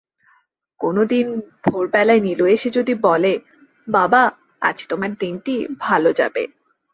কোনোদিন ভোরবেলায় নীলু এসে যদি বলে, বাবা, আজ তোমার দিনটি ভালো যাবে।